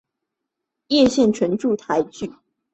线叶唇柱苣苔为苦苣苔科唇柱苣苔属下的一个种。